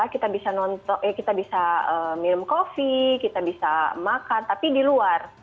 kita bisa minum kopi kita bisa makan tapi di luar